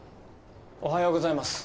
おはようございます。